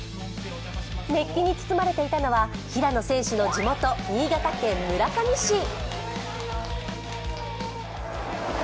熱気に包まれていたのは平野選手の地元、新潟県村上市。